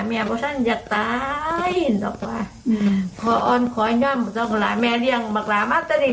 แม่เม็ดักว่าอ้อนของ่านด้านหลายแม่เรียนเป็นกล่าวมากตัเร็น